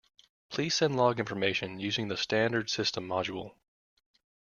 Please send log information using the standard system module.